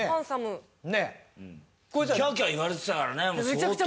キャーキャー言われてたからね相当。